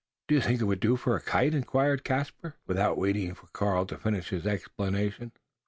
"Do you think it would do for a kite?" inquired Caspar, without waiting for Karl to finish his explanation.